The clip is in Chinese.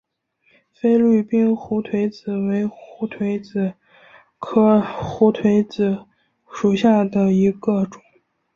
菲律宾胡颓子为胡颓子科胡颓子属下的一个种。